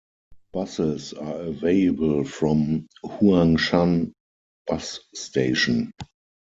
Buses are available from Huangshan Bus Station.